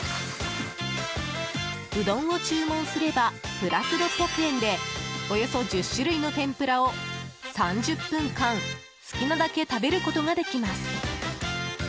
うどんを注文すればプラス６００円でおよそ１０種類の天ぷらを３０分間好きなだけ食べることができます。